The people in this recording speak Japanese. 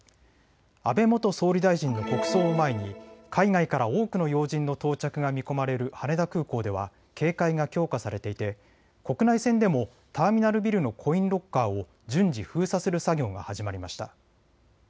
安倍元総理大臣の国葬を前に海外から多くの要人の到着が見込まれる羽田空港では警戒が強化されていて国内線でもターミナルビルのコインロッカーを順次、封鎖する作業が始まりました。